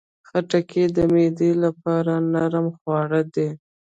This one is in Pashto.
خټکی د معدې لپاره نرم خواړه دي.